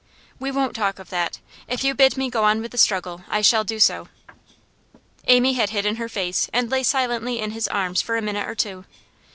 'We won't talk of that. If you bid me go on with the struggle, I shall do so.' Amy had hidden her face, and lay silently in his arms for a minute or two.